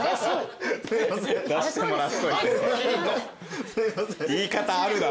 出してもらっといて。